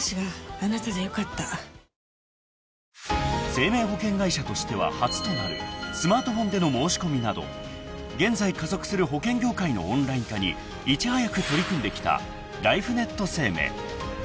［生命保険会社としては初となるスマートフォンでの申し込みなど現在加速する保険業界のオンライン化にいち早く取り組んできたライフネット生命］